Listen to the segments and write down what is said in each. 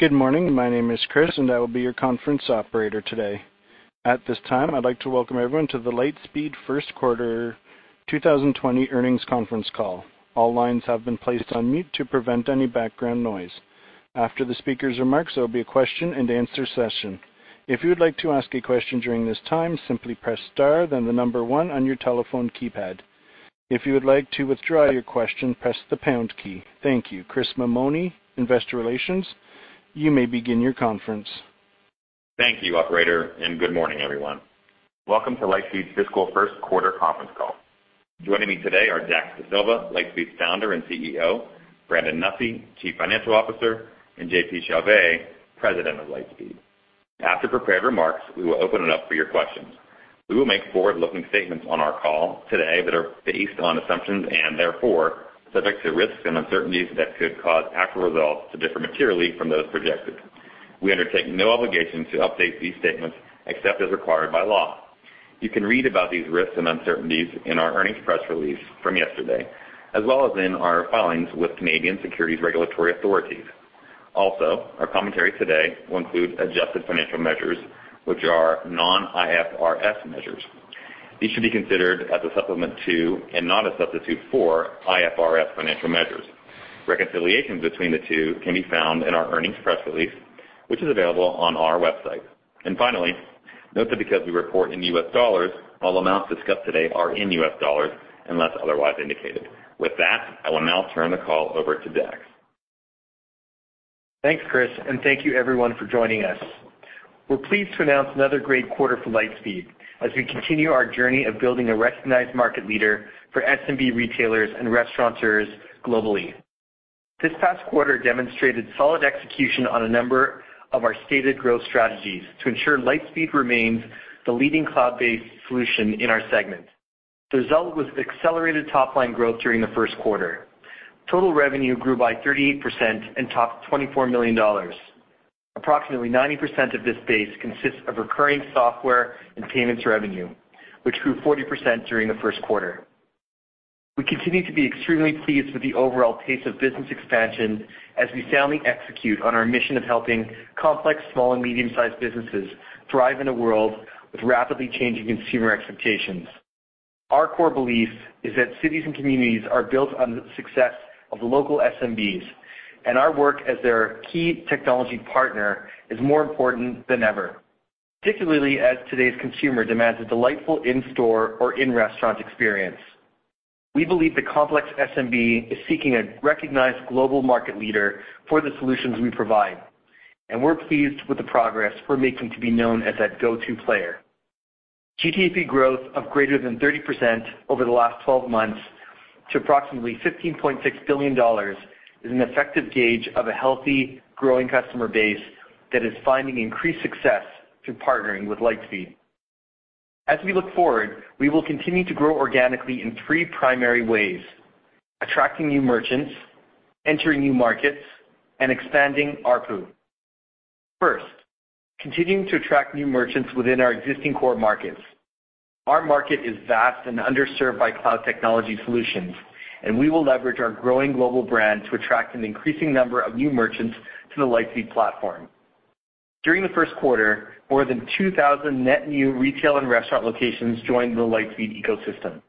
Good morning. My name is Chris. I will be your conference operator today. At this time, I'd like to welcome everyone to the Lightspeed first quarter 2020 earnings conference call. All lines have been placed on mute to prevent any background noise. After the speaker's remarks, there'll be a question and answer session. If you would like to ask a question during this time, simply press star then the number one on your telephone keypad. If you would like to withdraw your question, press the pound key. Thank you. Chris Mammone, Investor Relations, you may begin your conference. Thank you, operator, and good morning, everyone. Welcome to Lightspeed's fiscal first quarter conference call. Joining me today are Dax Dasilva, Lightspeed's founder and CEO, Brandon Nussey, Chief Financial Officer, and JP Chauvet, President of Lightspeed. After prepared remarks, we will open it up for your questions. We will make forward-looking statements on our call today that are based on assumptions and therefore subject to risks and uncertainties that could cause actual results to differ materially from those projected. We undertake no obligation to update these statements except as required by law. You can read about these risks and uncertainties in our earnings press release from yesterday, as well as in our filings with Canadian securities regulatory authorities. Also, our commentary today will include adjusted financial measures, which are non-IFRS measures. These should be considered as a supplement to and not a substitute for IFRS financial measures. Reconciliations between the two can be found in our earnings press release, which is available on our website. Finally, note that because we report in US dollars, all amounts discussed today are in US dollars unless otherwise indicated. With that, I will now turn the call over to Dax. Thanks, Chris, and thank you everyone for joining us. We're pleased to announce another great quarter for Lightspeed as we continue our journey of building a recognized market leader for SMB retailers and restaurateurs globally. This past quarter demonstrated solid execution on a number of our stated growth strategies to ensure Lightspeed remains the leading cloud-based solution in our segment. The result was accelerated top-line growth during the first quarter. Total revenue grew by 38% and topped $24 million. Approximately 90% of this base consists of recurring software and payments revenue, which grew 40% during the first quarter. We continue to be extremely pleased with the overall pace of business expansion as we soundly execute on our mission of helping complex small and medium-sized businesses thrive in a world with rapidly changing consumer expectations. Our core belief is that cities and communities are built on the success of the local SMBs, and our work as their key technology partner is more important than ever, particularly as today's consumer demands a delightful in-store or in-restaurant experience. We believe the complex SMB is seeking a recognized global market leader for the solutions we provide, and we're pleased with the progress we're making to be known as that go-to player. GTV growth of greater than 30% over the last 12 months to approximately $15.6 billion is an effective gauge of a healthy, growing customer base that is finding increased success through partnering with Lightspeed. As we look forward, we will continue to grow organically in three primary ways, attracting new merchants, entering new markets, and expanding ARPU. First, continuing to attract new merchants within our existing core markets. Our market is vast and underserved by cloud technology solutions, and we will leverage our growing global brand to attract an increasing number of new merchants to the Lightspeed platform. During the first quarter, more than 2,000 net new retail and restaurant locations joined the Lightspeed ecosystem.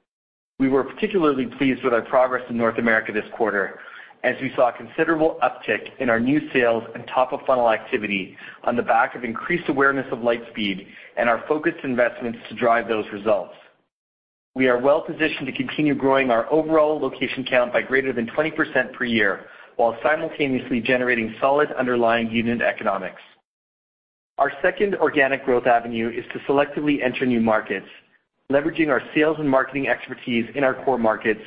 We were particularly pleased with our progress in North America this quarter as we saw a considerable uptick in our new sales and top-of-funnel activity on the back of increased awareness of Lightspeed and our focused investments to drive those results. We are well-positioned to continue growing our overall location count by greater than 20% per year while simultaneously generating solid underlying unit economics. Our second organic growth avenue is to selectively enter new markets, leveraging our sales and marketing expertise in our core markets.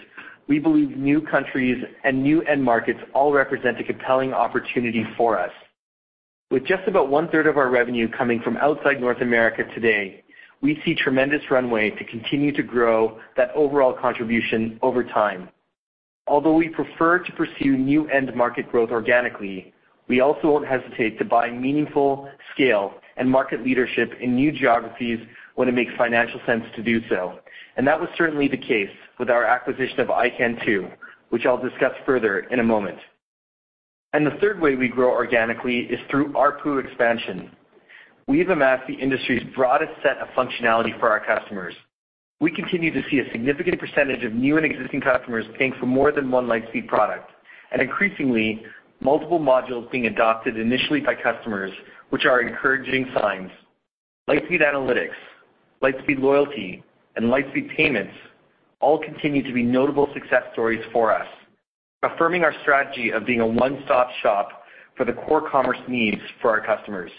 We believe new countries and new end markets all represent a compelling opportunity for us. With just about 1/3 of our revenue coming from outside North America today, we see tremendous runway to continue to grow that overall contribution over time. Although we prefer to pursue new end market growth organically, we also won't hesitate to buy meaningful scale and market leadership in new geographies when it makes financial sense to do so. That was certainly the case with our acquisition of iKentoo, which I'll discuss further in a moment. The third way we grow organically is through ARPU expansion. We've amassed the industry's broadest set of functionality for our customers. We continue to see a significant percentage of new and existing customers paying for more than one Lightspeed product, and increasingly, multiple modules being adopted initially by customers, which are encouraging signs. Lightspeed Analytics, Lightspeed Loyalty, and Lightspeed Payments all continue to be notable success stories for us, affirming our strategy of being a one-stop shop for the core commerce needs for our customers.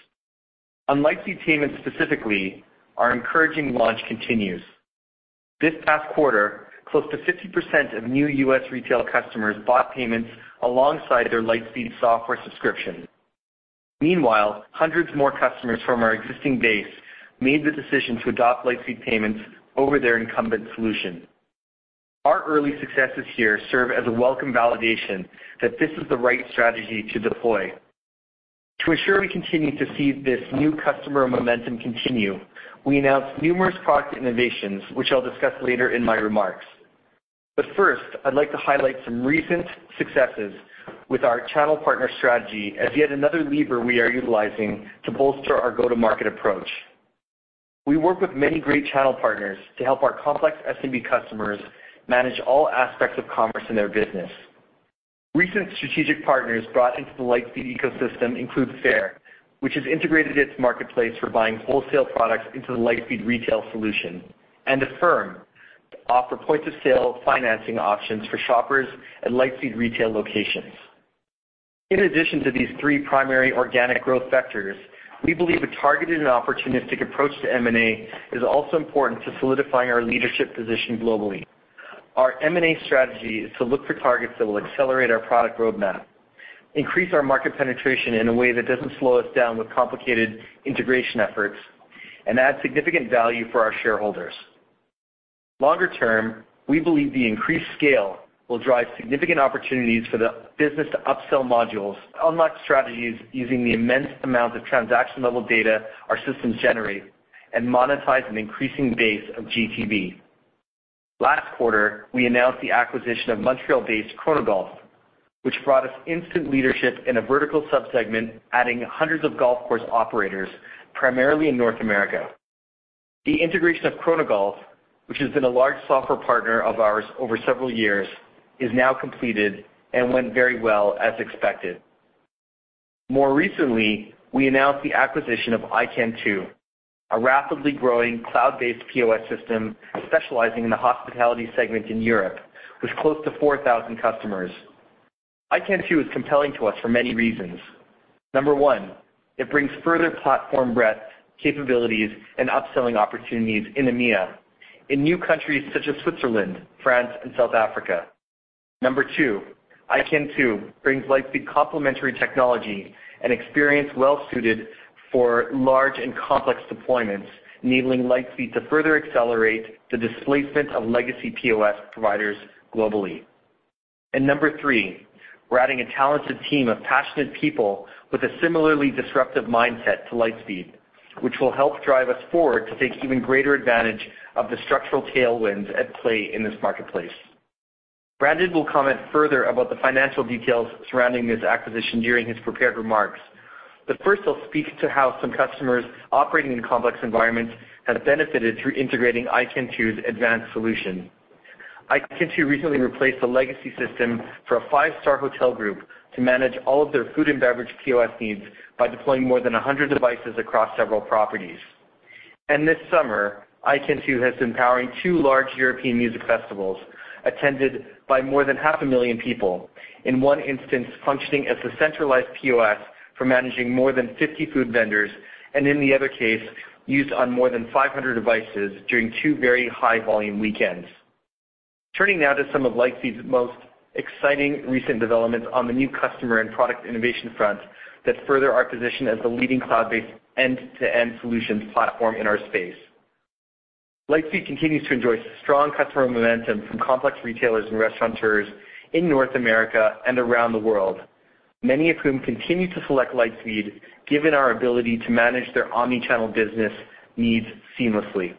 On Lightspeed Payments specifically, our encouraging launch continues. This past quarter, close to 50% of new U.S. retail customers bought payments alongside their Lightspeed software subscription. Meanwhile, hundreds more customers from our existing base made the decision to adopt Lightspeed Payments over their incumbent solution. Our early successes here serve as a welcome validation that this is the right strategy to deploy. To ensure we continue to see this new customer momentum continue, we announced numerous product innovations, which I'll discuss later in my remarks. First, I'd like to highlight some recent successes with our channel partner strategy as yet another lever we are utilizing to bolster our go-to-market approach. We work with many great channel partners to help our complex SMB customers manage all aspects of commerce in their business. Recent strategic partners brought into the Lightspeed ecosystem include Faire, which has integrated its marketplace for buying wholesale products into the Lightspeed Retail solution, and Affirm, to offer point-of-sale financing options for shoppers at Lightspeed Retail locations. In addition to these three primary organic growth vectors, we believe a targeted and opportunistic approach to M&A is also important to solidifying our leadership position globally. Our M&A strategy is to look for targets that will accelerate our product roadmap, increase our market penetration in a way that doesn't slow us down with complicated integration efforts, and add significant value for our shareholders. Longer term, we believe the increased scale will drive significant opportunities for the business to upsell modules, unlock strategies using the immense amount of transaction-level data our systems generate, and monetize an increasing base of GTV. Last quarter, we announced the acquisition of Montreal-based Chronogolf, which brought us instant leadership in a vertical sub-segment, adding hundreds of golf course operators, primarily in North America. The integration of Chronogolf, which has been a large software partner of ours over several years, is now completed and went very well, as expected. More recently, we announced the acquisition of iKentoo, a rapidly growing cloud-based POS system specializing in the hospitality segment in Europe, with close to 4,000 customers. iKentoo is compelling to us for many reasons. Number one, it brings further platform breadth, capabilities, and upselling opportunities in EMEA, in new countries such as Switzerland, France, and South Africa. Number two, iKentoo brings Lightspeed complementary technology and experience well-suited for large and complex deployments, enabling Lightspeed to further accelerate the displacement of legacy POS providers globally. Number three, we're adding a talented team of passionate people with a similarly disruptive mindset to Lightspeed, which will help drive us forward to take even greater advantage of the structural tailwinds at play in this marketplace. Brandon will comment further about the financial details surrounding this acquisition during his prepared remarks, first I'll speak to how some customers operating in complex environments have benefited through integrating iKentoo's advanced solution. iKentoo recently replaced a legacy system for a 5-star hotel group to manage all of their food and beverage POS needs by deploying more than 100 devices across several properties. This summer, iKentoo has been powering two large European music festivals attended by more than 500,000 people, in one instance, functioning as the centralized POS for managing more than 50 food vendors, and in the other case, used on more than 500 devices during two very high-volume weekends. Turning now to some of Lightspeed's most exciting recent developments on the new customer and product innovation front that further our position as the leading cloud-based end-to-end solutions platform in our space. Lightspeed continues to enjoy strong customer momentum from complex retailers and restaurateurs in North America and around the world, many of whom continue to select Lightspeed given our ability to manage their omni-channel business needs seamlessly.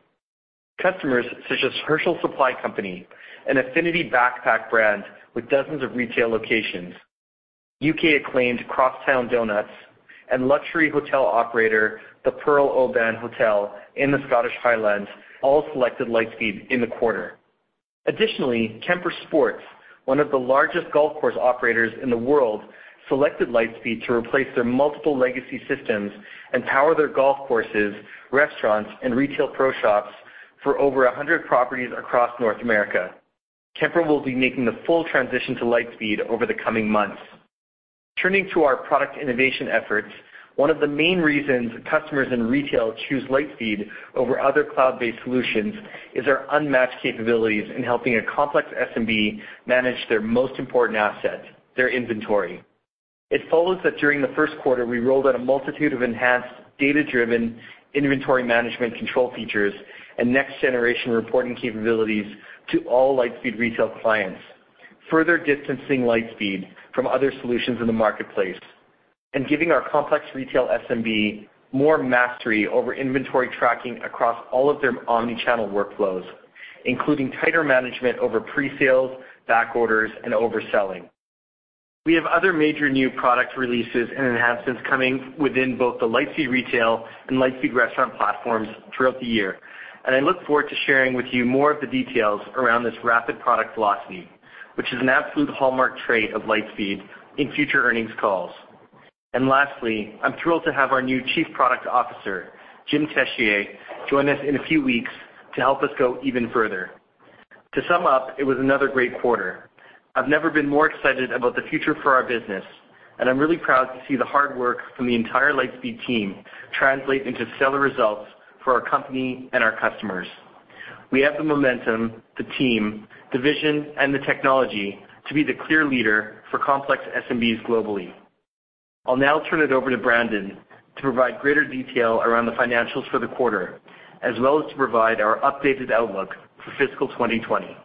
Customers such as Herschel Supply Co., an affinity backpack brand with dozens of retail locations, U.K. acclaimed Crosstown Doughnuts, and luxury hotel operator, The Perle Oban Hotel in the Scottish Highlands, all selected Lightspeed in the quarter. Additionally, KemperSports, one of the largest golf course operators in the world, selected Lightspeed to replace their multiple legacy systems and power their golf courses, restaurants, and retail pro shops for over 100 properties across North America. Kemper will be making the full transition to Lightspeed over the coming months. Turning to our product innovation efforts, one of the main reasons customers in retail choose Lightspeed over other cloud-based solutions is our unmatched capabilities in helping a complex SMB manage their most important asset, their inventory. It follows that during the first quarter, we rolled out a multitude of enhanced data-driven inventory management control features and next-generation reporting capabilities to all Lightspeed Retail clients, further distancing Lightspeed from other solutions in the marketplace and giving our complex retail SMB more mastery over inventory tracking across all of their omni-channel workflows, including tighter management over pre-sales, back orders, and overselling. We have other major new product releases and enhancements coming within both the Lightspeed Retail and Lightspeed Restaurant platforms throughout the year. I look forward to sharing with you more of the details around this rapid product velocity, which is an absolute hallmark trait of Lightspeed, in future earnings calls. Lastly, I'm thrilled to have our new Chief Product Officer, Jean Chassé, join us in a few weeks to help us go even further. To sum up, it was another great quarter. I've never been more excited about the future for our business, and I'm really proud to see the hard work from the entire Lightspeed team translate into stellar results for our company and our customers. We have the momentum, the team, the vision, and the technology to be the clear leader for complex SMBs globally. I'll now turn it over to Brandon to provide greater detail around the financials for the quarter, as well as to provide our updated outlook for fiscal 2020.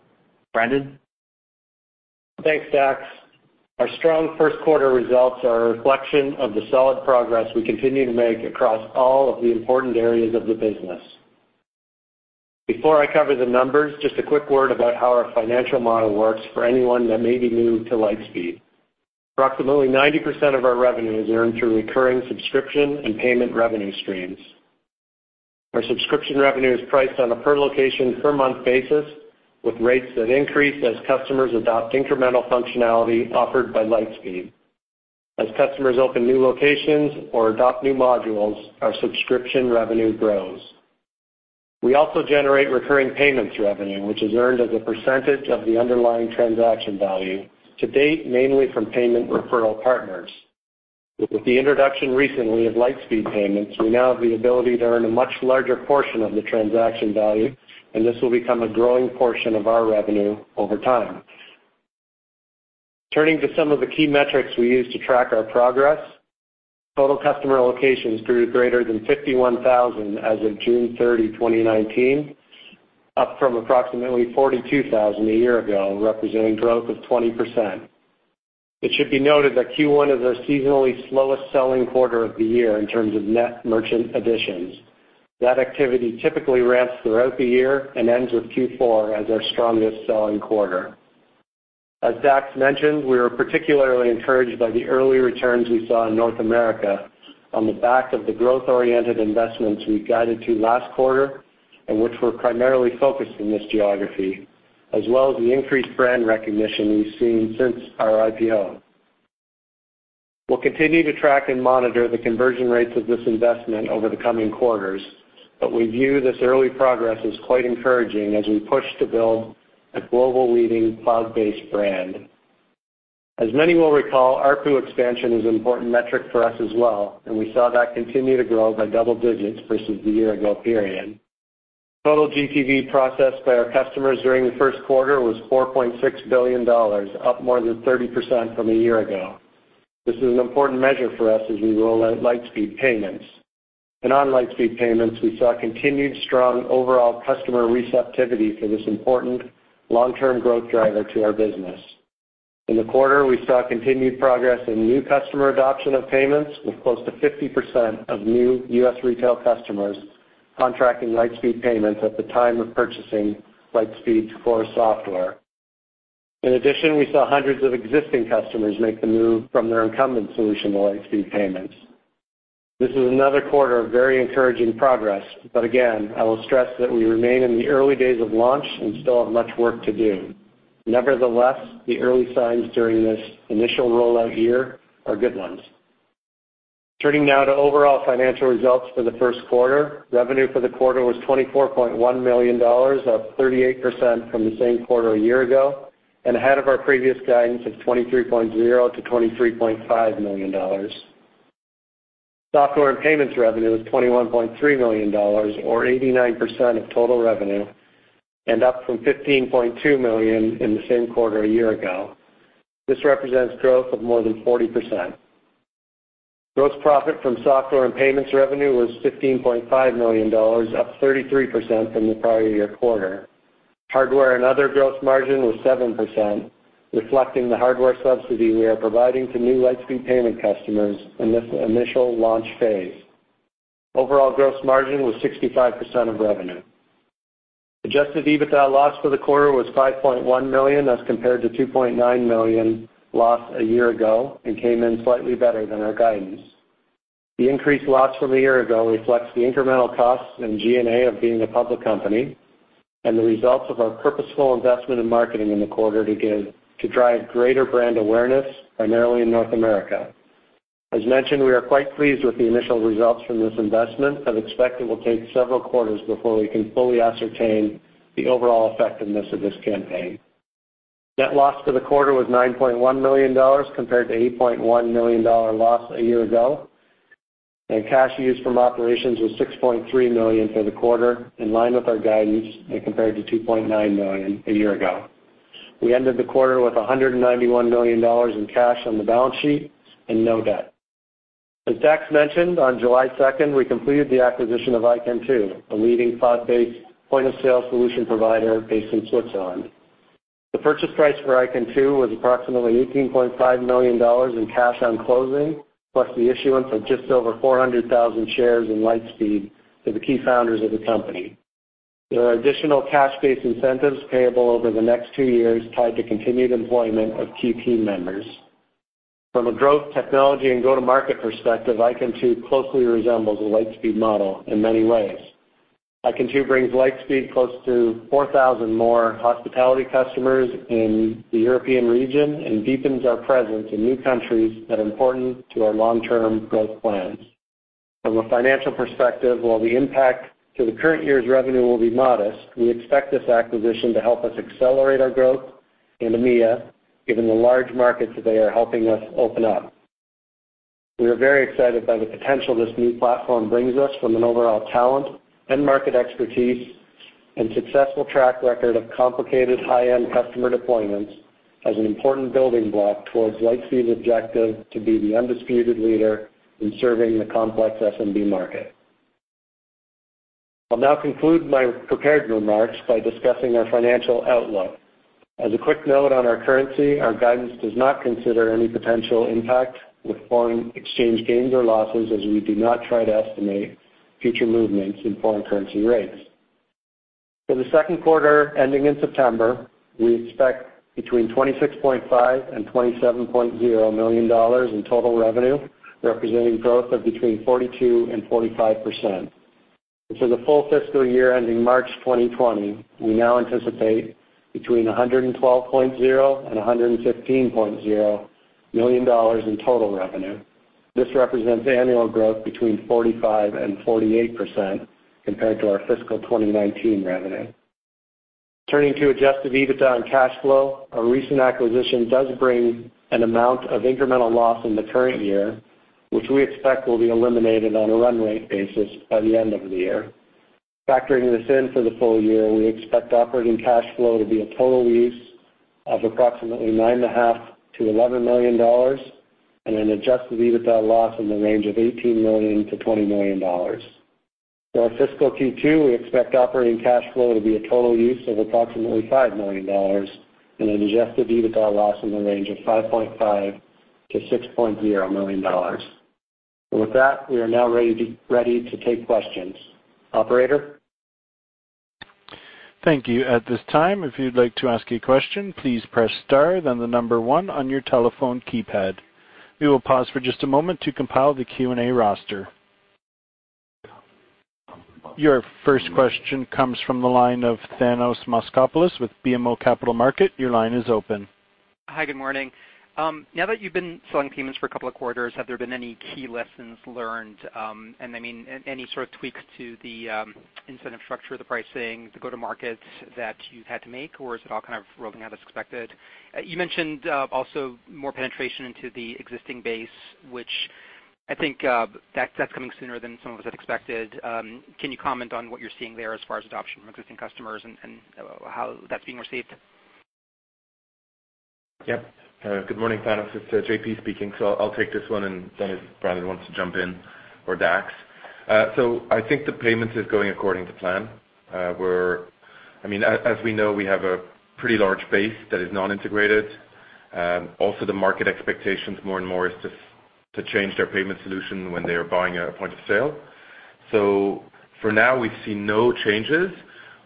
Brandon? Thanks, Dax. Our strong first quarter results are a reflection of the solid progress we continue to make across all of the important areas of the business. Before I cover the numbers, just a quick word about how our financial model works for anyone that may be new to Lightspeed. Approximately 90% of our revenue is earned through recurring subscription and payment revenue streams. Our subscription revenue is priced on a per location, per month basis, with rates that increase as customers adopt incremental functionality offered by Lightspeed. As customers open new locations or adopt new modules, our subscription revenue grows. We also generate recurring payments revenue, which is earned as a percentage of the underlying transaction value, to date, mainly from payment referral partners. With the introduction recently of Lightspeed Payments, we now have the ability to earn a much larger portion of the transaction value, and this will become a growing portion of our revenue over time. Turning to some of the key metrics we use to track our progress, total customer locations grew to greater than 51,000 as of June 30, 2019, up from approximately 42,000 a year ago, representing growth of 20%. It should be noted that Q1 is our seasonally slowest selling quarter of the year in terms of net merchant additions. That activity typically ramps throughout the year and ends with Q4 as our strongest selling quarter. As Dax mentioned, we are particularly encouraged by the early returns we saw in North America on the back of the growth-oriented investments we guided to last quarter, and which were primarily focused in this geography, as well as the increased brand recognition we've seen since our IPO. We'll continue to track and monitor the conversion rates of this investment over the coming quarters, but we view this early progress as quite encouraging as we push to build a global leading cloud-based brand. As many will recall, ARPU expansion is an important metric for us as well, and we saw that continue to grow by double digits versus the year-ago period. Total GTV processed by our customers during the first quarter was $4.6 billion, up more than 30% from a year ago. This is an important measure for us as we roll out Lightspeed Payments. On Lightspeed Payments, we saw continued strong overall customer receptivity for this important long-term growth driver to our business. In the quarter, we saw continued progress in new customer adoption of payments, with close to 50% of new U.S. retail customers contracting Lightspeed Payments at the time of purchasing Lightspeed's core software. In addition, we saw hundreds of existing customers make the move from their incumbent solution to Lightspeed Payments. This is another quarter of very encouraging progress, but again, I will stress that we remain in the early days of launch and still have much work to do. Nevertheless, the early signs during this initial rollout year are good ones. Turning now to overall financial results for the first quarter, revenue for the quarter was $24.1 million, up 38% from the same quarter a year ago, and ahead of our previous guidance of $23.0 million-$23.5 million. Software and payments revenue was $21.3 million, or 89% of total revenue, and up from $15.2 million in the same quarter a year ago. This represents growth of more than 40%. Gross profit from software and payments revenue was $15.5 million, up 33% from the prior year quarter. Hardware and other gross margin was 7%, reflecting the hardware subsidy we are providing to new Lightspeed Payments customers in this initial launch phase. Overall gross margin was 65% of revenue. Adjusted EBITDA loss for the quarter was $5.1 million, as compared to $2.9 million loss a year ago, and came in slightly better than our guidance. The increased loss from a year ago reflects the incremental costs in G&A of being a public company and the results of our purposeful investment in marketing in the quarter to drive greater brand awareness, primarily in North America. As mentioned, we are quite pleased with the initial results from this investment, but expect it will take several quarters before we can fully ascertain the overall effectiveness of this campaign. Net loss for the quarter was $9.1 million, compared to $8.1 million loss a year ago. Cash used from operations was $6.3 million for the quarter, in line with our guidance and compared to $2.9 million a year ago. We ended the quarter with $191 million in cash on the balance sheet and no debt. As Dax mentioned, on July 2nd, we completed the acquisition of iKentoo, a leading cloud-based point-of-sale solution provider based in Switzerland. The purchase price for iKentoo was approximately $18.5 million in cash on closing, plus the issuance of just over 400,000 shares in Lightspeed to the key founders of the company. There are additional cash-based incentives payable over the next two years tied to continued employment of key team members. From a growth technology and go-to-market perspective, iKentoo closely resembles the Lightspeed model in many ways. iKentoo brings Lightspeed close to 4,000 more hospitality customers in the European region and deepens our presence in new countries that are important to our long-term growth plans. From a financial perspective, while the impact to the current year's revenue will be modest, we expect this acquisition to help us accelerate our growth in EMEA, given the large markets that they are helping us open up. We are very excited by the potential this new platform brings us from an overall talent and market expertise and successful track record of complicated high-end customer deployments as an important building block towards Lightspeed's objective to be the undisputed leader in serving the complex SMB market. I'll now conclude my prepared remarks by discussing our financial outlook. As a quick note on our currency, our guidance does not consider any potential impact with foreign exchange gains or losses, as we do not try to estimate future movements in foreign currency rates. For the second quarter ending in September, we expect between $26.5 million and $27.0 million in total revenue, representing growth of between 42% and 45%. For the full fiscal year ending March 2020, we now anticipate between $112.0 million and $115.0 million in total revenue. This represents annual growth between 45% and 48% compared to our fiscal 2019 revenue. Turning to Adjusted EBITDA and cash flow, our recent acquisition does bring an amount of incremental loss in the current year, which we expect will be eliminated on a run rate basis by the end of the year. Factoring this in for the full year, we expect operating cash flow to be a total use of approximately $9.5 million to $11 million and an Adjusted EBITDA loss in the range of $18 million-$20 million. For our fiscal Q2, we expect operating cash flow to be a total use of approximately $5 million and an Adjusted EBITDA loss in the range of $5.5 million-$6.0 million. With that, we are now ready to take questions. Operator? Thank you. At this time if you would like to ask a question, please press star then number one on your telephone keypad. We will pause for just a moment to compile the Q&A roster. Your first question comes from the line of Thanos Moschopoulos with BMO Capital Markets. Your line is open. Hi, good morning. Now that you've been selling payments for a couple of quarters, have there been any key lessons learned? I mean, any sort of tweaks to the incentive structure, the pricing, the go-to-markets that you've had to make, or is it all kind of rolling out as expected? You mentioned also more penetration into the existing base, which I think that's coming sooner than some of us had expected. Can you comment on what you're seeing there as far as adoption from existing customers and how that's being received? Yep. Good morning, Thanos. It's JP speaking. I'll take this one, and then if Brandon wants to jump in or Dax. I think the payments is going according to plan. I mean, as we know, we have a pretty large base that is non-integrated. Also, the market expectations more and more is to change their payment solution when they are buying a point-of-sale. For now, we see no changes.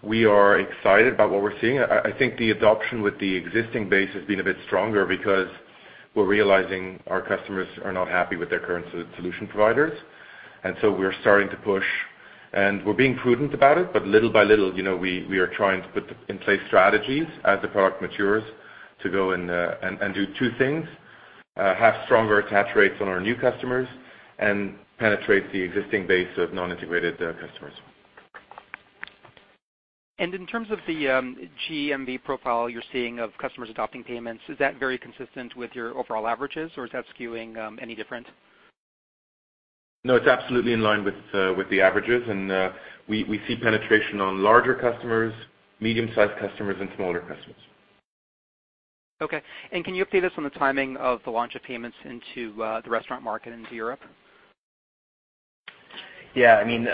We are excited about what we're seeing. I think the adoption with the existing base has been a bit stronger because we're realizing our customers are not happy with their current solution providers. We're starting to push, and we're being prudent about it, but little by little, you know, we are trying to put in place strategies as the product matures to go and do two things, have stronger attach rates on our new customers and penetrate the existing base of non-integrated customers. In terms of the, GMV profile you're seeing of customers adopting payments, is that very consistent with your overall averages, or is that skewing, any different? No, it's absolutely in line with the averages. We see penetration on larger customers, medium-sized customers and smaller customers. Okay. Can you update us on the timing of the launch of payments into the restaurant market into Europe? Yeah. I mean,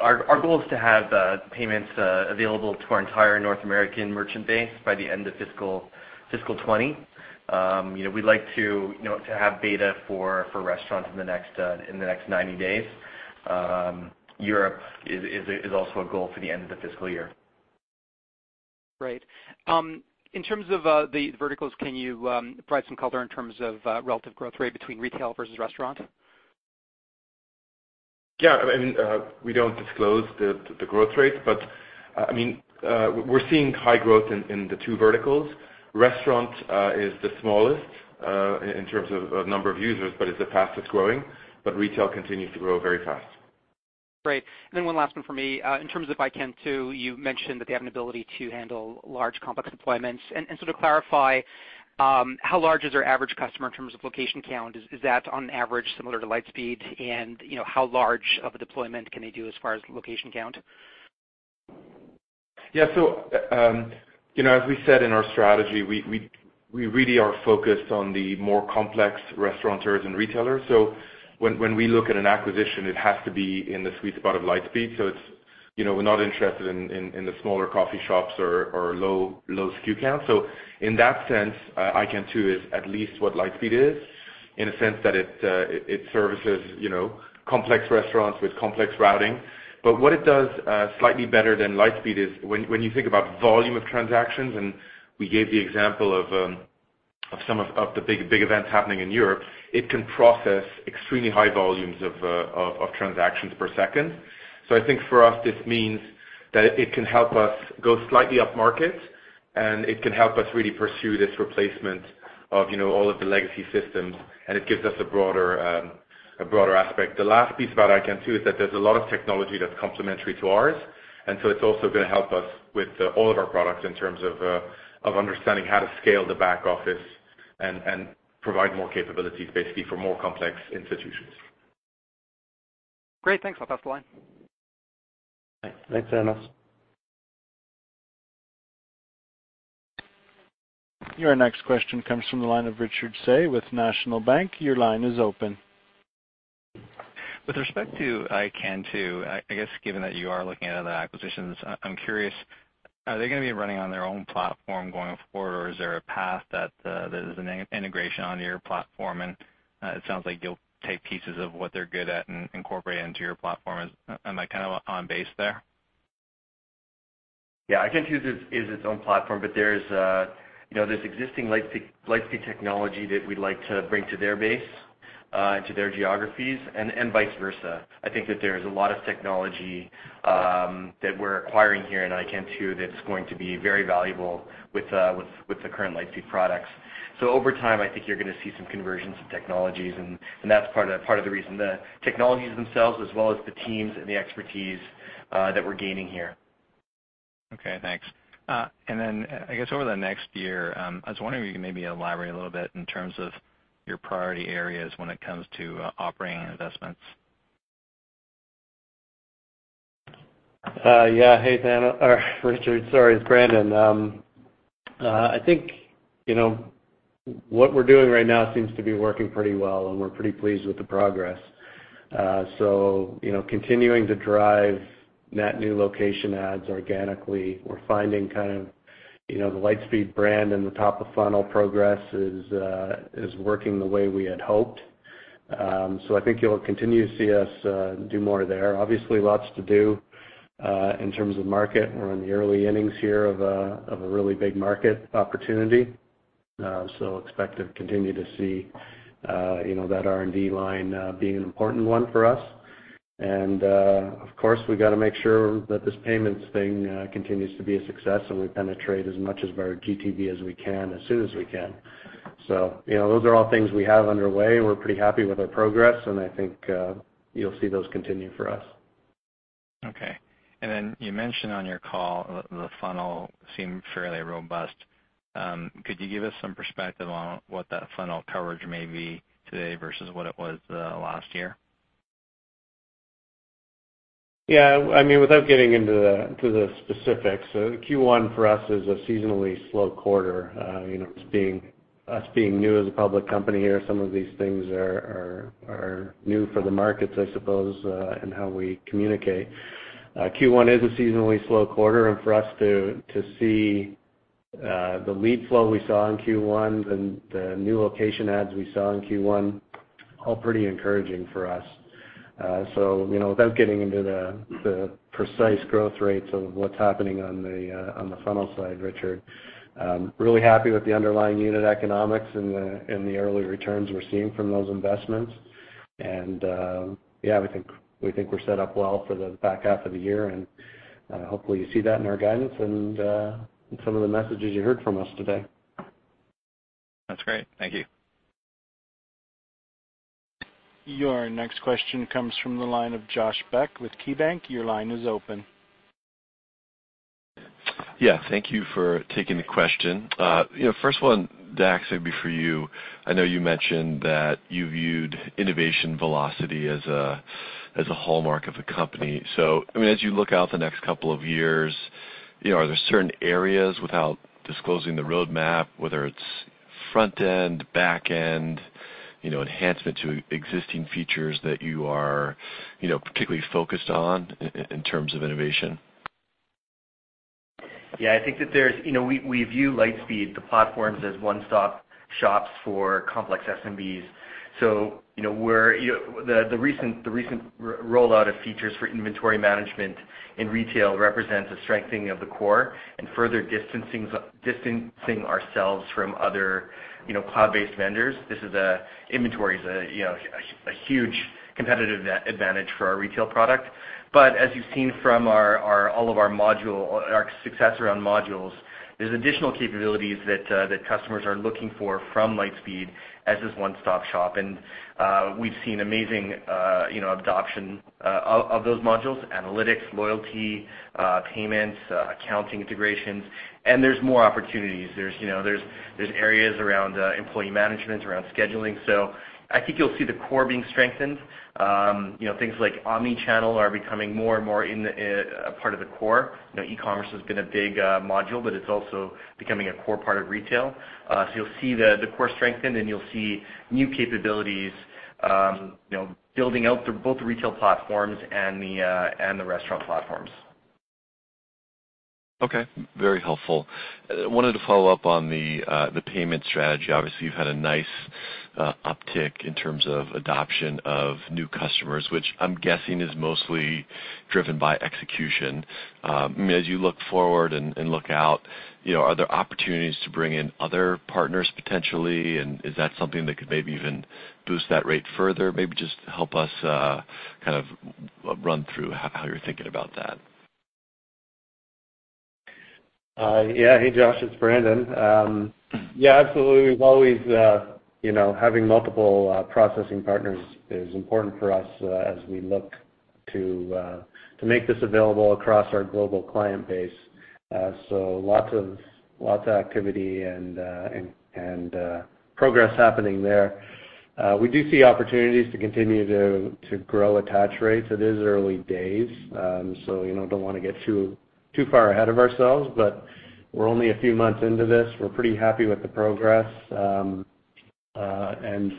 our goal is to have payments available to our entire North American merchant base by the end of fiscal 2020. You know, we'd like to, you know, to have beta for restaurants in the next 90 days. Europe is also a goal for the end of the fiscal year. Great. In terms of the verticals, can you provide some color in terms of relative growth rate between retail versus restaurant? Yeah. I mean, we don't disclose the growth rate, but, I mean, we're seeing high growth in the two verticals. Restaurant is the smallest, in terms of number of users, but is the fastest-growing, but retail continues to grow very fast. Great. Then one last one for me. In terms of iKentoo, you mentioned that they have an ability to handle large complex deployments. So to clarify, how large is their average customer in terms of location count? Is that on average similar to Lightspeed? You know, how large of a deployment can they do as far as location count? You know, as we said in our strategy, we really are focused on the more complex restaurateurs and retailers. When we look at an acquisition, it has to be in the sweet spot of Lightspeed. It's, you know, we're not interested in the smaller coffee shops or low SKU count. In that sense, iKentoo is at least what Lightspeed is in a sense that it services, you know, complex restaurants with complex routing. What it does slightly better than Lightspeed is when you think about volume of transactions, and we gave the example of some of the big events happening in Europe, it can process extremely high volumes of transactions per second. I think for us, this means that it can help us go slightly upmarket, and it can help us really pursue this replacement of, you know, all of the legacy systems, and it gives us a broader aspect. The last piece about iKentoo is that there's a lot of technology that's complementary to ours. It's also gonna help us with all of our products in terms of understanding how to scale the back office and provide more capabilities basically for more complex institutions. Great. Thanks. I'll pass the line. Thanks, Thanos. Your next question comes from the line of Richard Tse with National Bank. Your line is open. With respect to iKentoo, I guess given that you are looking at other acquisitions, I'm curious, are they gonna be running on their own platform going forward or is there a path that there's an in-integration onto your platform and it sounds like you'll take pieces of what they're good at and incorporate it into your platform. Am I kind of on base there? Yeah, iKentoo is its own platform, but there's, you know, this existing Lightspeed technology that we'd like to bring to their base, to their geographies and vice versa. I think that there's a lot of technology that we're acquiring here in iKentoo that's going to be very valuable with the current Lightspeed products. Over time, I think you're gonna see some conversions of technologies and that's part of the reason the technologies themselves as well as the teams and the expertise that we're gaining here. Okay, thanks. I guess over the next year, I was wondering if you can maybe elaborate a little bit in terms of your priority areas when it comes to operating investments. Yeah. Hey, Richard, sorry, it's Brandon. I think, you know, what we're doing right now seems to be working pretty well, and we're pretty pleased with the progress. Continuing to drive net new location adds organically, we're finding kind of, you know, the Lightspeed brand and the top-of-funnel progress is working the way we had hoped. I think you'll continue to see us do more there. Obviously, lots to do in terms of market. We're in the early innings here of a really big market opportunity. Expect to continue to see, you know, that R&D line being an important one for us. Of course, we gotta make sure that this payments thing continues to be a success, and we penetrate as much of our GTV as we can as soon as we can. You know, those are all things we have underway. We're pretty happy with our progress, and I think, you'll see those continue for us. Okay. You mentioned on your call the funnel seemed fairly robust. Could you give us some perspective on what that funnel coverage may be today versus what it was last year? Yeah. I mean, without getting into the specifics, Q1 for us is a seasonally slow quarter. You know, us being new as a public company here, some of these things are new for the markets I suppose, in how we communicate. Q1 is a seasonally slow quarter, and for us to see the lead flow we saw in Q1, the new location adds we saw in Q1, all pretty encouraging for us. You know, without getting into the precise growth rates of what's happening on the funnel side, Richard, really happy with the underlying unit economics and the early returns we're seeing from those investments. Yeah, we think we're set up well for the back half of the year, and hopefully you see that in our guidance and in some of the messages you heard from us today. That's great. Thank you. Your next question comes from the line of Josh Beck with KeyBanc. Your line is open. Thank you for taking the question. You know, first one, Dax, it'd be for you. I know you mentioned that you viewed innovation velocity as a, as a hallmark of the company. I mean, as you look out the next couple of years, you know, are there certain areas, without disclosing the roadmap, whether it's front end, back end, you know, enhancement to existing features that you are, you know, particularly focused on in terms of innovation? Yeah, I think that you know, we view Lightspeed, the platforms as one-stop shops for complex SMBs. You know, we're the recent rollout of features for inventory management in retail represents a strengthening of the core and further distancing ourselves from other, you know, cloud-based vendors. This is inventory is a, you know, a huge competitive advantage for our retail product. As you've seen from our, all of our module, our success around modules, there's additional capabilities that customers are looking for from Lightspeed as this one-stop shop. We've seen amazing, you know, adoption of those modules, analytics, loyalty, payments, accounting integrations, there's more opportunities. There's, you know, there's areas around employee management, around scheduling. I think you'll see the core being strengthened. You know, things like omni-channel are becoming more and more in a part of the core. You know, e-commerce has been a big module, but it's also becoming a core part of retail. You'll see the core strengthen, and you'll see new capabilities, you know, building out through both the retail platforms and the and the restaurant platforms. Okay, very helpful. Wanted to follow up on the payment strategy. Obviously, you've had a nice uptick in terms of adoption of new customers, which I'm guessing is mostly driven by execution. As you look forward and look out, you know, are there opportunities to bring in other partners potentially? Is that something that could maybe even boost that rate further? Maybe just help us kind of run through how you're thinking about that. Yeah. Hey, Josh, it's Brandon. Yeah, absolutely. We've always, you know, having multiple processing partners is important for us, as we look to make this available across our global client base. Lots of activity and progress happening there. We do see opportunities to continue to grow attach rates. It is early days, so, you know, don't wanna get too far ahead of ourselves, but we're only a few months into this. We're pretty happy with the progress. And,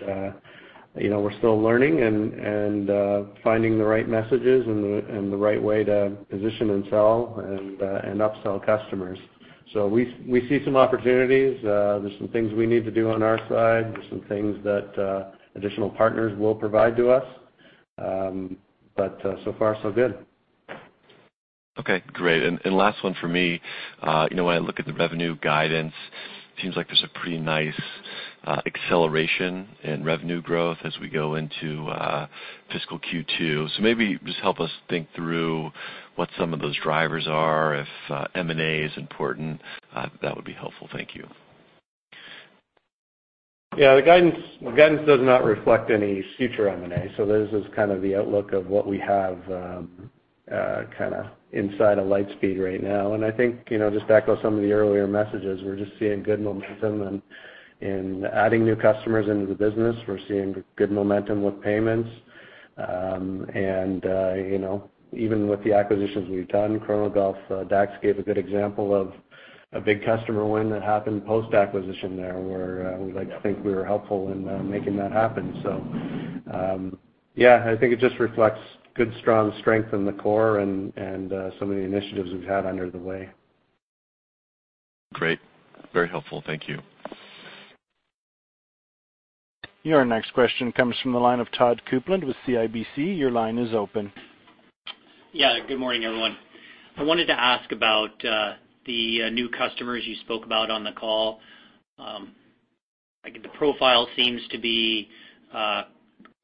you know, we're still learning and finding the right messages and the right way to position and sell and upsell customers. We see some opportunities. There's some things we need to do on our side. There's some things that additional partners will provide to us. So far so good. Okay, great. Last one for me. You know, when I look at the revenue guidance, seems like there's a pretty nice acceleration in revenue growth as we go into fiscal Q2. Maybe just help us think through what some of those drivers are, if M&A is important, that would be helpful. Thank you. Yeah, the guidance does not reflect any future M&A, this is kind of the outlook of what we have kinda inside of Lightspeed right now. I think, you know, just to echo some of the earlier messages, we're just seeing good momentum in adding new customers into the business. We're seeing good momentum with payments. You know, even with the acquisitions we've done, Chronogolf, Dax gave a good example of a big customer win that happened post-acquisition there, where we like to think we were helpful in making that happen. Yeah, I think it just reflects good, strong strength in the core and some of the initiatives we've had under the way. Great. Very helpful. Thank you. Your next question comes from the line of Todd Coupland with CIBC. Your line is open. Yeah, good morning, everyone. I wanted to ask about the new customers you spoke about on the call. Like, the profile seems to be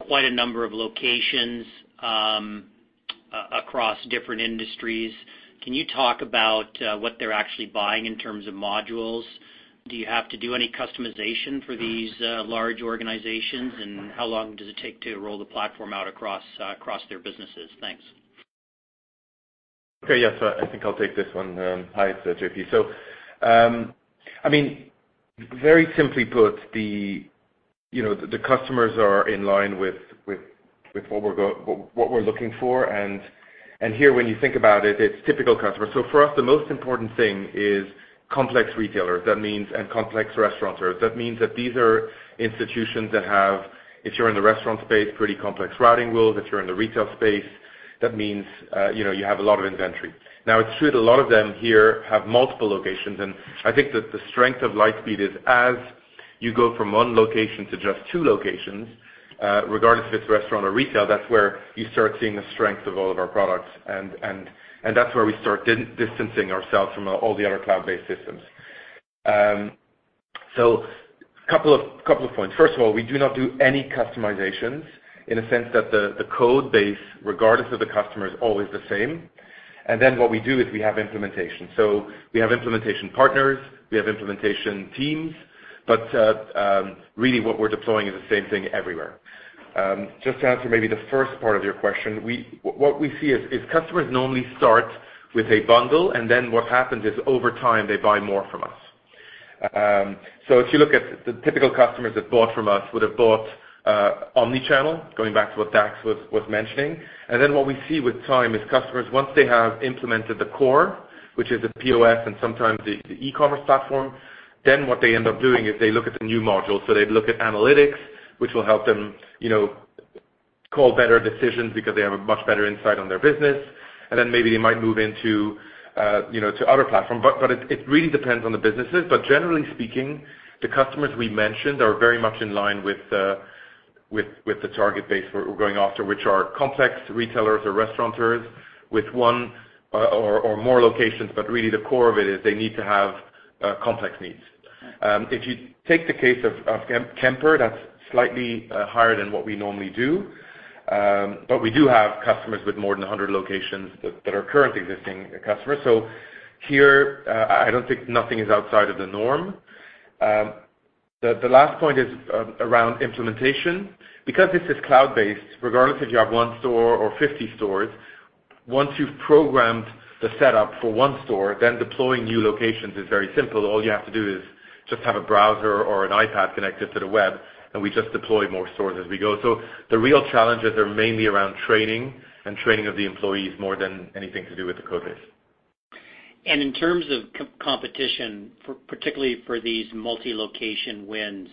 quite a number of locations across different industries. Can you talk about what they're actually buying in terms of modules? Do you have to do any customization for these large organizations? How long does it take to roll the platform out across their businesses? Thanks. Okay, yes. I think I'll take this one. Hi, it's JP. I mean, very simply put, you know, the customers are in line with what we're looking for. Here, when you think about it's typical customers. For us, the most important thing is complex retailers. Complex restaurateurs. That means that these are institutions that have, if you're in the restaurant space, pretty complex routing rules. If you're in the retail space, that means, you know, you have a lot of inventory. It's true that a lot of them here have multiple locations, I think that the strength of Lightspeed is as you go from one location to just two locations, regardless if it's restaurant or retail, that's where you start seeing the strength of all of our products, and that's where we start distancing ourselves from all the other cloud-based systems. Couple of points. First of all, we do not do any customizations in a sense that the code base, regardless of the customer, is always the same. What we do is we have implementation. We have implementation partners, we have implementation teams, really what we're deploying is the same thing everywhere. Just to answer maybe the first part of your question, what we see is customers normally start with a bundle, and then what happens is, over time, they buy more from us. If you look at the typical customers that bought from us would have bought, omni-channel, going back to what Dax was mentioning. What we see with time is customers, once they have implemented the core, which is the POS and sometimes the e-commerce platform, then what they end up doing is they look at the new modules. They'd look at analytics, which will help them, you know, call better decisions because they have a much better insight on their business. Maybe they might move into, you know, to other platform. It really depends on the businesses. Generally speaking, the customers we mentioned are very much in line with the target base we're going after, which are complex retailers or restaurateurs with one or more locations, but really the core of it is they need to have complex needs. If you take the case of Kemper, that's slightly higher than what we normally do. We do have customers with more than 100 locations that are currently existing customers. Here, I don't think nothing is outside of the norm. The last point is around implementation. This is cloud-based, regardless if you have one store or 50 stores, once you've programmed the setup for one store, then deploying new locations is very simple. All you have to do is just have a browser or an iPad connected to the web, and we just deploy more stores as we go. The real challenges are mainly around training and training of the employees more than anything to do with the code base. In terms of competition for, particularly for these multi-location wins,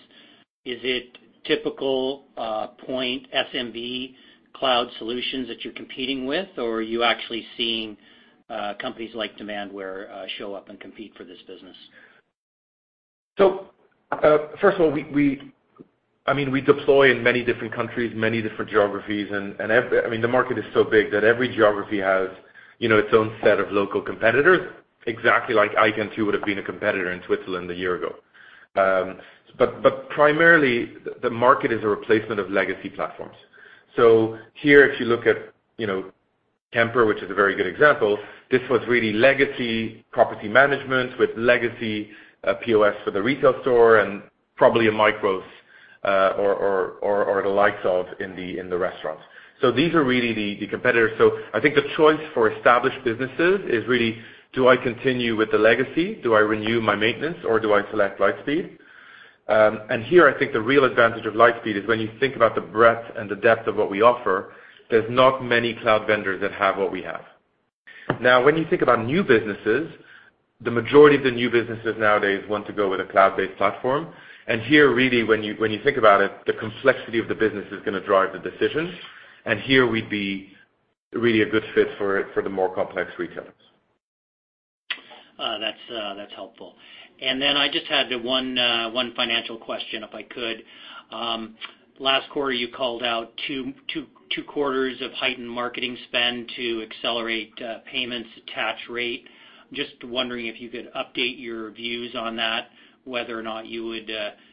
is it typical point SMB cloud solutions that you're competing with, or are you actually seeing companies like Demandware show up and compete for this business? First of all, I mean, we deploy in many different countries, many different geographies, and I mean, the market is so big that every geography has, you know, its own set of local competitors, exactly like iKentoo would have been a competitor in Switzerland a year ago. Primarily, the market is a replacement of legacy platforms. Here, if you look at, you know, Kemper, which is a very good example, this was really legacy property management with legacy POS for the retail store and probably a MICROS or the likes of in the, in the restaurant. These are really the competitors. I think the choice for established businesses is really, do I continue with the legacy? Do I renew my maintenance, or do I select Lightspeed? Here I think the real advantage of Lightspeed is when you think about the breadth and the depth of what we offer, there's not many cloud vendors that have what we have. Now, when you think about new businesses, the majority of the new businesses nowadays want to go with a cloud-based platform. Here, really, when you think about it, the complexity of the business is gonna drive the decision. Here we'd be really a good fit for the more complex retailers. That's helpful. I just had the one financial question, if I could. Last quarter, you called out two quarters of heightened marketing spend to accelerate payments attach rate. Just wondering if you could update your views on that, whether or not you would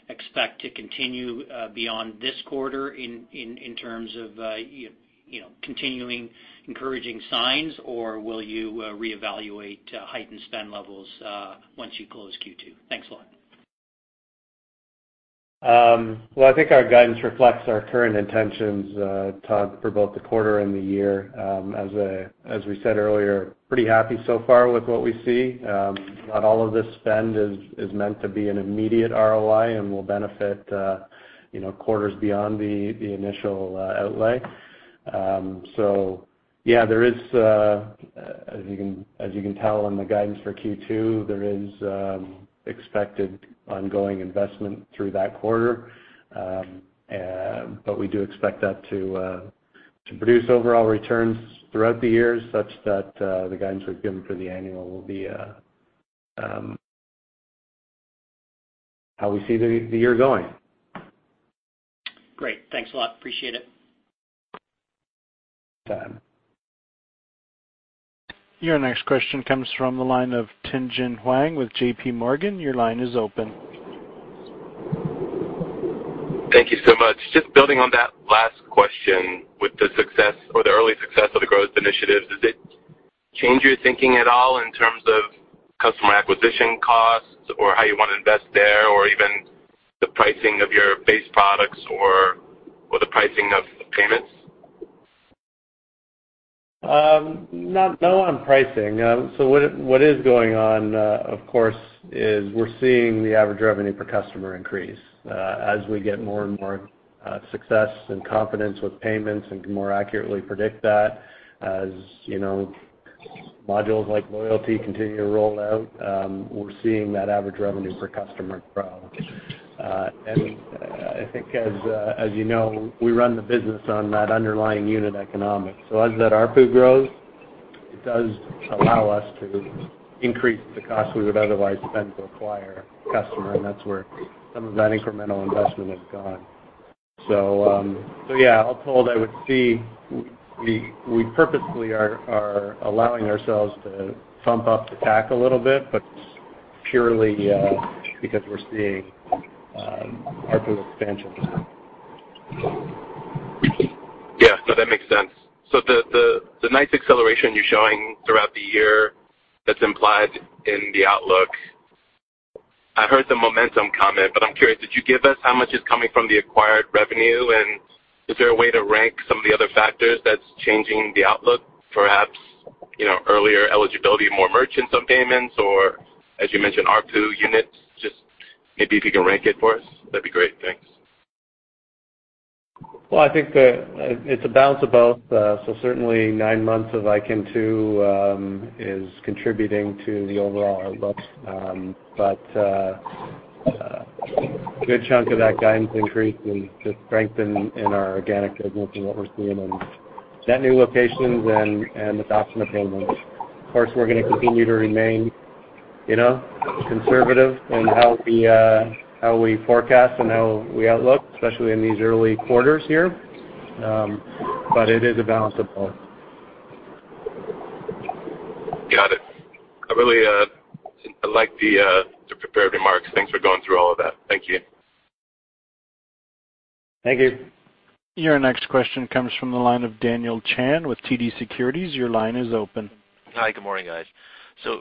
expect to continue beyond this quarter in terms of you know, continuing encouraging signs, or will you reevaluate heightened spend levels once you close Q2? Thanks a lot. Well, I think our guidance reflects our current intentions, Todd, for both the quarter and the year. As we said earlier, pretty happy so far with what we see. Not all of this spend is meant to be an immediate ROI and will benefit, you know, quarters beyond the initial outlay. So yeah, there is, as you can tell on the guidance for Q2, there is expected ongoing investment through that quarter. But we do expect that to produce overall returns throughout the year such that the guidance we've given for the annual will be how we see the year going. Great. Thanks a lot. Appreciate it. Yeah. Your next question comes from the line of Tien-Tsin Huang with JPMorgan. Your line is open. Thank you so much. Just building on that last question. With the success or the early success of the growth initiatives, does it change your thinking at all in terms of customer acquisition costs or how you wanna invest there, or even the pricing of your base products or the pricing of payments? Not, not on pricing. What is, what is going on, of course, is we're seeing the average revenue per customer increase. As we get more and more success and confidence with payments and can more accurately predict that, as you know, modules like loyalty continue to roll out, we're seeing that average revenue per customer grow. I think as you know, we run the business on that underlying unit economics. As that ARPU grows, it does allow us to increase the cost we would otherwise spend to acquire customer, and that's where some of that incremental investment has gone. Yeah, all told, I would see we purposefully are allowing ourselves to bump up the CAC a little bit, but purely because we're seeing ARPU expansion. No, that makes sense. The nice acceleration you're showing throughout the year that's implied in the outlook, I heard the momentum comment, but I'm curious, did you give us how much is coming from the acquired revenue? Is there a way to rank some of the other factors that's changing the outlook, perhaps, you know, earlier eligibility of more merchants on payments or, as you mentioned, ARPU units? Just maybe if you can rank it for us, that'd be great. Thanks. Well, I think it's a balance of both. Certainly nine months of iKentoo is contributing to the overall outlook. A good chunk of that guidance increase is the strength in our organic business and what we're seeing in net new locations and adoption of Payments. Of course, we're going to continue to remain, you know, conservative in how we forecast and how we outlook, especially in these early quarters here. It is a balance of both. Got it. I really, I like the prepared remarks. Thanks for going through all of that. Thank you. Thank you. Your next question comes from the line of Daniel Chan with TD Securities. Your line is open. Hi. Good morning, guys.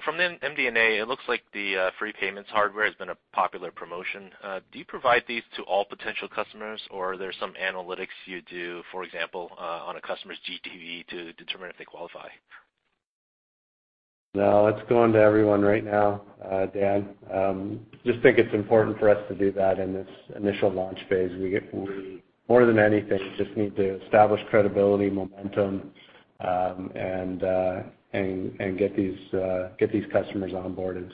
From the MD&A, it looks like the free payments hardware has been a popular promotion. Do you provide these to all potential customers, or are there some analytics you do, for example, on a customer's GTV to determine if they qualify? No, it's going to everyone right now, Dan. Just think it's important for us to do that in this initial launch phase. We more than anything just need to establish credibility, momentum, and get these customers onboarded.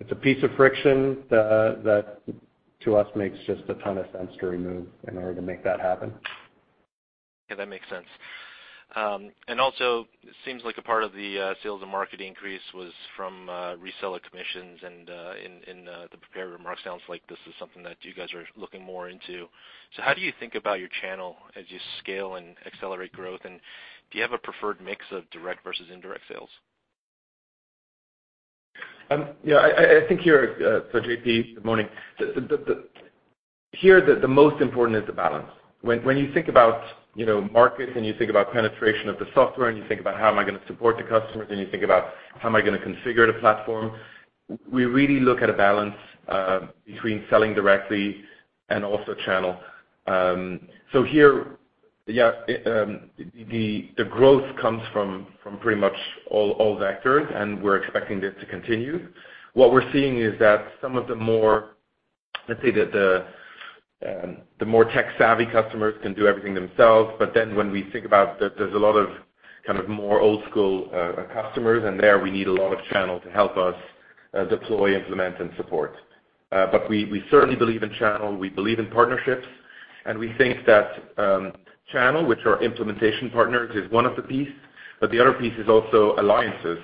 It's a piece of friction that to us makes just a ton of sense to remove in order to make that happen. Yeah, that makes sense. Also it seems like a part of the sales and marketing increase was from reseller commissions and the prepared remarks, sounds like this is something that you guys are looking more into. How do you think about your channel as you scale and accelerate growth, and do you have a preferred mix of direct versus indirect sales? Yeah, I think here, so JP., good morning. Here, the most important is the balance. When you think about, you know, market and you think about penetration of the software, and you think about how am I gonna support the customers, and you think about how am I gonna configure the platform, we really look at a balance between selling directly and also channel. Yeah, it, the growth comes from pretty much all vectors, and we're expecting this to continue. What we're seeing is that some of the more, let's say that the more tech-savvy customers can do everything themselves. When we think about that there's a lot of kind of more old school customers, and there we need a lot of channel to help us deploy, implement, and support. We certainly believe in channel, we believe in partnerships. We think that channel, which are implementation partners, is one of the piece. The other piece is also alliances.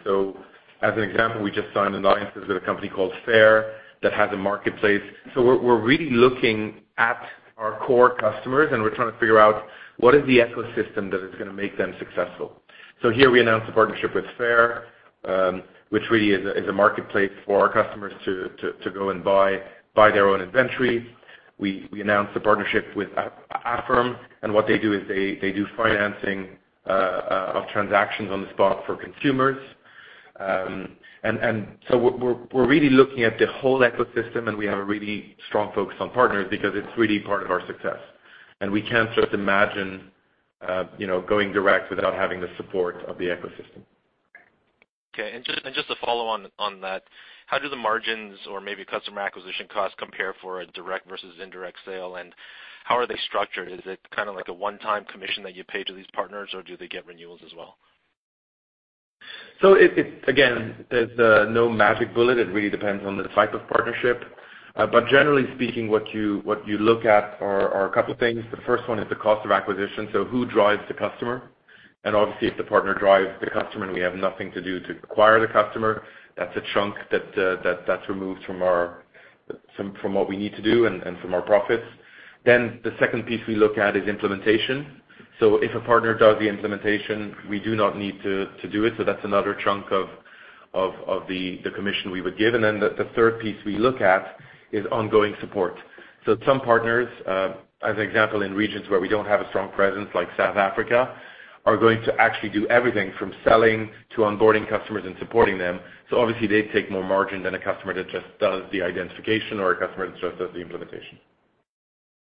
As an example, we just signed an alliance with a company called Faire that has a marketplace. We're really looking at our core customers, and we're trying to figure out what is the ecosystem that is gonna make them successful. Here we announced a partnership with Faire, which really is a marketplace for our customers to go and buy their own inventory. We announced a partnership with Affirm, and what they do is they do financing of transactions on the spot for consumers. We're really looking at the whole ecosystem, and we have a really strong focus on partners because it's really part of our success. We can't just imagine, you know, going direct without having the support of the ecosystem. Okay. Just to follow on that, how do the margins or maybe customer acquisition costs compare for a direct versus indirect sale? How are they structured? Is it kind of like a one-time commission that you pay to these partners, or do they get renewals as well? Again, there's no magic bullet. It really depends on the type of partnership. Generally speaking, what you look at are two things. The first is the cost of acquisition, so who drives the customer. Obviously, if the partner drives the customer and we have nothing to do to acquire the customer, that's a chunk that's removed from what we need to do and from our profits. The second piece we look at is implementation. If a partner does the implementation, we do not need to do it, so that's another chunk of the commission we would give. The third piece we look at is ongoing support. Some partners, as an example, in regions where we don't have a strong presence like South Africa, are going to actually do everything from selling to onboarding customers and supporting them. Obviously, they take more margin than a customer that just does the identification or a customer that just does the implementation.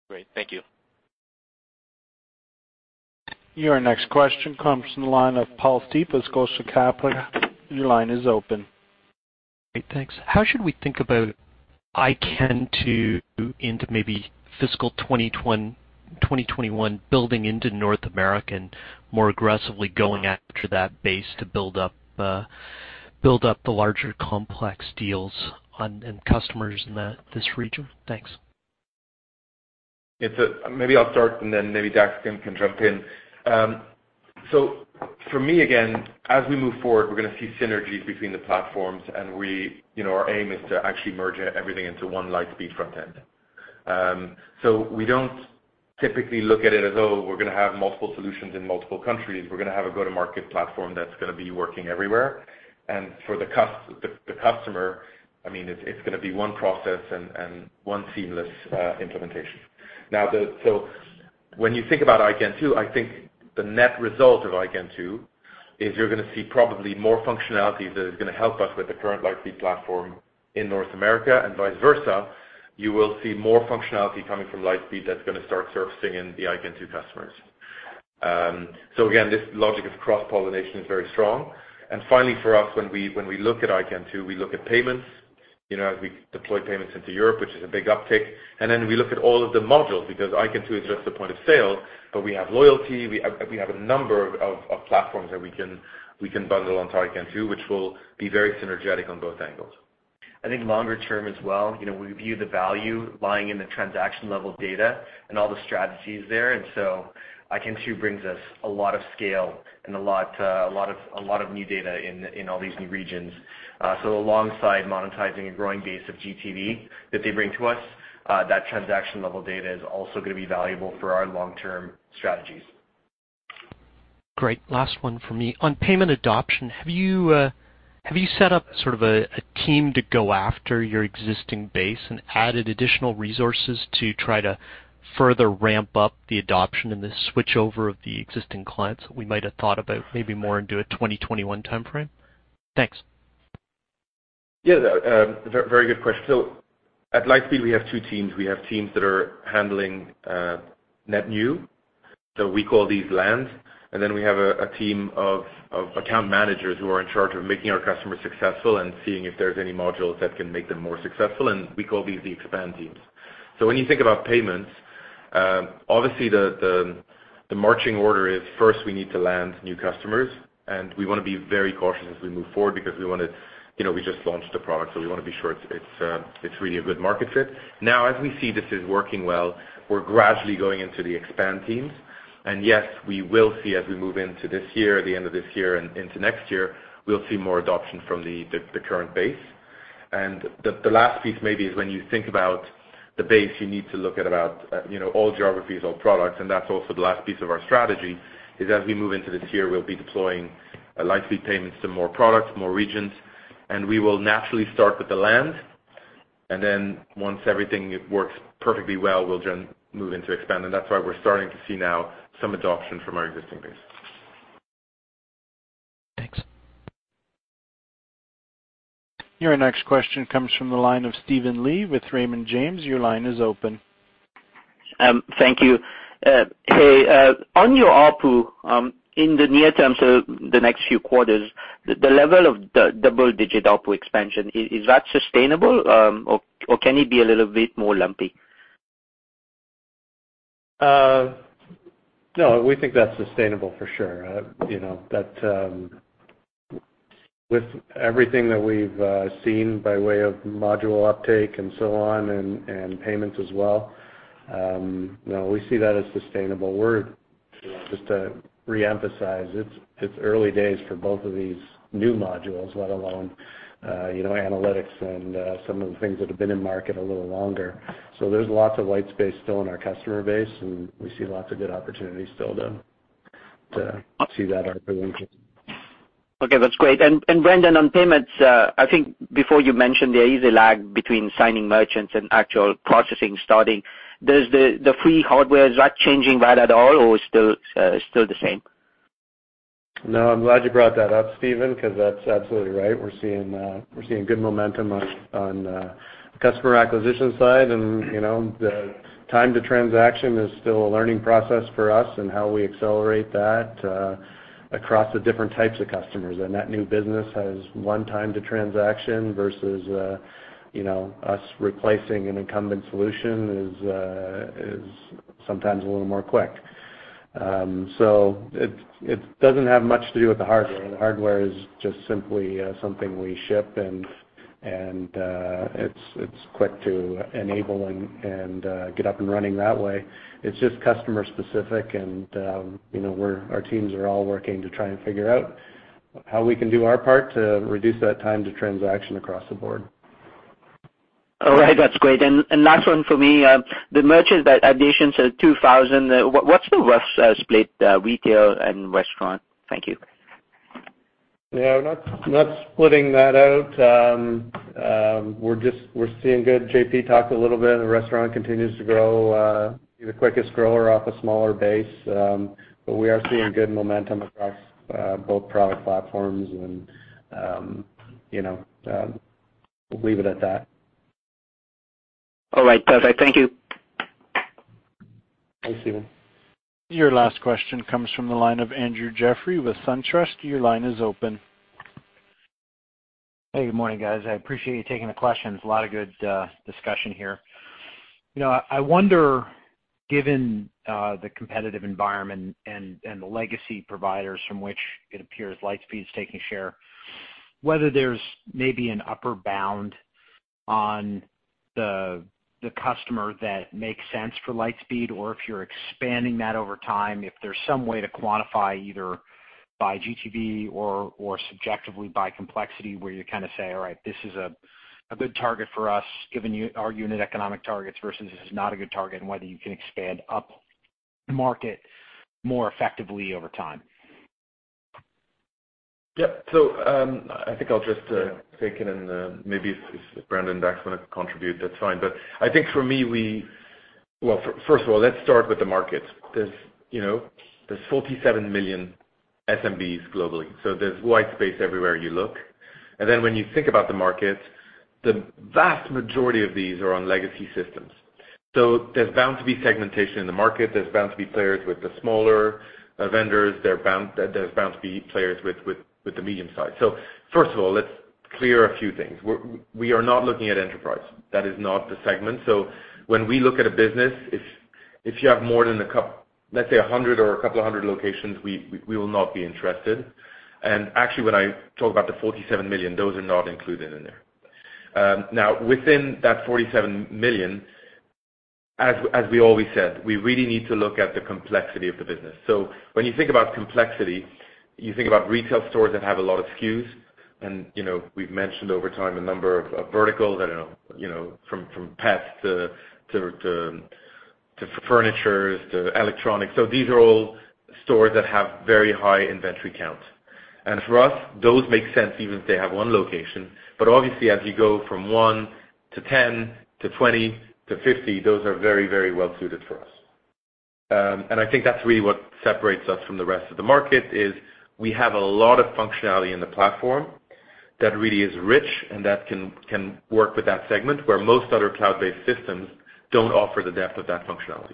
Great. Thank you. Your next question comes from the line of Paul Steep, Scotia Capital. Your line is open. Great. Thanks. How should we think about iKentoo into maybe fiscal 2021 building into North American more aggressively going after that base to build up the larger complex deals on and customers in this region? Thanks. It's Maybe I'll start and then maybe Dax can jump in. For me, again, as we move forward, we're gonna see synergies between the platforms and you know, our aim is to actually merge everything into one Lightspeed front end. We don't typically look at it as, oh, we're gonna have multiple solutions in multiple countries. We're gonna have a go-to-market platform that's gonna be working everywhere. For the customer, I mean, it's gonna be one process and one seamless implementation. Now, when you think about iKentoo, I think the net result of iKentoo is you're gonna see probably more functionality that is gonna help us with the current Lightspeed platform in North America and vice versa. You will see more functionality coming from Lightspeed that's gonna start surfacing in the iKentoo customers. So again, this logic of cross-pollination is very strong. Finally, for us, when we look at iKentoo, we look at payments, you know, as we deploy payments into Europe, which is a big uptick. Then we look at all of the modules because iKentoo is just the point of sale, but we have loyalty, we have a number of platforms that we can bundle onto iKentoo, which will be very synergetic on both angles. I think longer term as well, you know, we view the value lying in the transaction-level data and all the strategies there. iKentoo brings us a lot of scale and a lot of new data in all these new regions. Alongside monetizing a growing base of GTV that they bring to us, that transaction-level data is also gonna be valuable for our long-term strategies. Great. Last one for me. On payment adoption, have you set up sort of a team to go after your existing base and added additional resources to try to further ramp up the adoption and the switchover of the existing clients that we might have thought about maybe more into a 2021 timeframe? Thanks. Very good question. At Lightspeed, we have two teams. We have teams that are handling net new. We call these land. Then we have a team of account managers who are in charge of making our customers successful and seeing if there's any modules that can make them more successful, and we call these the expand teams. When you think about payments, obviously the marching order is first we need to land new customers, and we wanna be very cautious as we move forward because, you know, we just launched the product, so we wanna be sure it's really a good market fit. As we see this is working well, we're gradually going into the expand teams. Yes, we will see as we move into this year, the end of this year and into next year, we will see more adoption from the current base. The last piece maybe is when you think about the base, you need to look at about, you know, all geographies, all products. That is also the last piece of our strategy, is as we move into this year, we will be deploying Lightspeed Payments to more products, more regions. We will naturally start with the land. Then once everything works perfectly well, we will then move into expand. That is why we are starting to see now some adoption from our existing base. Your next question comes from the line of Steven Li with Raymond James. Your line is open. Thank you. Hey, on your ARPU, in the near term, so the next few quarters, the level of the double-digit ARPU expansion, is that sustainable? Or can it be a little bit more lumpy? No, we think that's sustainable for sure. You know, that, with everything that we've seen by way of module uptake and so on and payments as well, you know, we see that as sustainable. We're, you know, just to reemphasize, it's early days for both of these new modules, let alone, you know, Analytics and some of the things that have been in market a little longer. There's lots of white space still in our customer base, and we see lots of good opportunities still to see that ARPU increase. Okay, that's great. Brandon, on payments, I think before you mentioned there is a lag between signing merchants and actual processing starting. Does the free hardware, is that changing that at all or still the same? No, I'm glad you brought that up, Steven, 'cause that's absolutely right. We're seeing good momentum on customer acquisition side and, you know, the time to transaction is still a learning process for us and how we accelerate that across the different types of customers. That new business has one time to transaction versus, you know, us replacing an incumbent solution is sometimes a little more quick. It doesn't have much to do with the hardware. The hardware is just simply something we ship and it's quick to enable and get up and running that way. It's just customer specific and, you know, our teams are all working to try and figure out how we can do our part to reduce that time to transaction across the board. All right. That's great. Last one for me. The merchants that addition to 2,000, what's the rough split, retail and restaurant? Thank you. Yeah. I'm not splitting that out. We're seeing good. JP talk a little bit, and Lightspeed Restaurant continues to grow, be the quickest grower off a smaller base. We are seeing good momentum across both product platforms and, you know, we'll leave it at that. All right. Perfect. Thank you. Thanks, Steven. Your last question comes from the line of Andrew Jeffrey with SunTrust. Your line is open. Hey, good morning, guys. I appreciate you taking the questions. A lot of good discussion here. You know, I wonder, given the competitive environment and the legacy providers from which it appears Lightspeed is taking share, whether there's maybe an upper bound on the customer that makes sense for Lightspeed, or if you're expanding that over time, if there's some way to quantify either by GTV or subjectively by complexity, where you kinda say, "All right, this is a good target for us, given our unit economic targets versus this is not a good target, and whether you can expand upmarket more effectively over time. Yep. I think I'll just take it, and maybe if Brandon Dax want to contribute, that's fine. I think for me, well, first of all, let's start with the market. There's, you know, there's 47 million SMBs globally, there's white space everywhere you look. When you think about the market, the vast majority of these are on legacy systems. There's bound to be segmentation in the market. There's bound to be players with the smaller vendors. There's bound to be players with the medium size. First of all, let's clear a few things. We are not looking at enterprise. That is not the segment. When we look at a business, if you have more than 100 or couple of 100 locations, we will not be interested. Actually, when I talk about the $47 million, those are not included in there. Now, within that $47 million, as we always said, we really need to look at the complexity of the business. When you think about complexity, you think about retail stores that have a lot of SKUs, and, you know, we've mentioned over time a number of verticals. I don't know, you know, from pets to, to furnitures, to electronics. These are all stores that have very high inventory count. For us, those make sense even if they have one location. Obviously, as you go from one to 10 to 20 to 50, those are very, very well suited for us. I think that's really what separates us from the rest of the market, is we have a lot of functionality in the platform that really is rich and that can work with that segment, where most other cloud-based systems don't offer the depth of that functionality.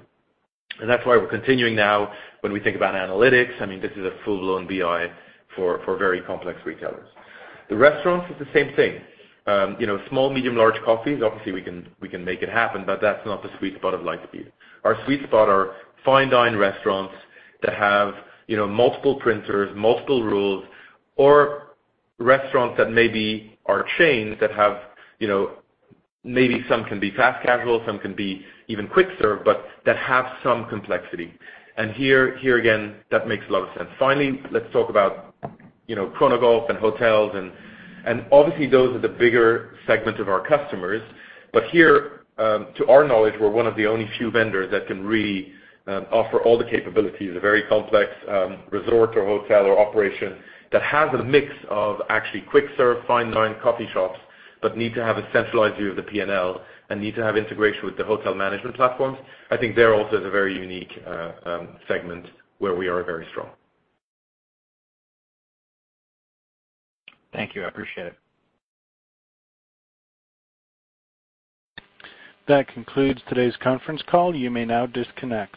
That's why we're continuing now when we think about analytics, I mean, this is a full-blown BI for very complex retailers. The restaurants is the same thing. You know, small, medium, large coffees, obviously, we can make it happen, but that's not the sweet spot of Lightspeed. Our sweet spot are fine dine restaurants that have, you know, multiple printers, multiple rules, or restaurants that maybe are chains that have, you know, maybe some can be fast casual, some can be even quick serve, but that have some complexity. Here again, that makes a lot of sense. Finally, let's talk about, you know, Chronogolf and hotels and obviously those are the bigger segment of our customers. Here, to our knowledge, we're one of the only few vendors that can really offer all the capabilities, a very complex resort or hotel or operation that has a mix of actually quick serve, fine dine coffee shops, but need to have a centralized view of the P&L and need to have integration with the hotel management platforms. I think they're also the very unique segment where we are very strong. Thank you. I appreciate it. That concludes today's conference call. You may now disconnect.